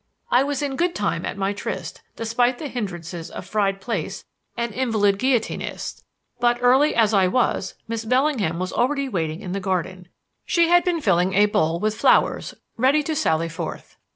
I was in good time at my tryst, despite the hindrances of fried plaice and invalid guillotinists; but, early as I was, Miss Bellingham was already waiting in the garden she had been filling a bowl with flowers ready to sally forth.